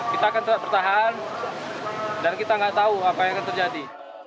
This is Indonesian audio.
kita akan tetap bertahan dan kita nggak tahu apa yang akan terjadi